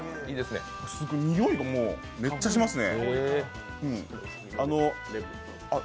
すごいにおいがもう、めっちゃしますね。